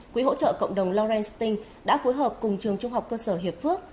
quỹ hỗ trợ cộng đồng laurence sting đã cuối hợp cùng trường trung học cơ sở hiệp phước